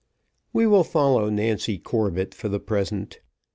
We will follow Nancy Corbett for the present.